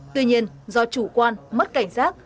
tuy nhiên do chủ quan mất cảnh giác